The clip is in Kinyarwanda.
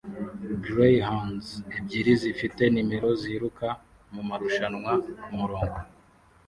Greyhounds ebyiri zifite nimero ziruka mumarushanwa kumurongo